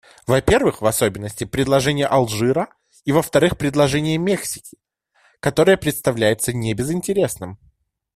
Во-первых, в особенности, предложение Алжира и, во-вторых, предложение Мексики, которое представляется небезынтересным.